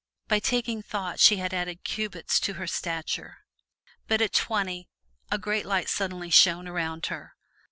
By taking thought she had added cubits to her stature. But at twenty, a great light suddenly shone around her.